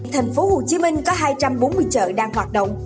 thành phố hồ chí minh có hai trăm bốn mươi chợ đang hoạt động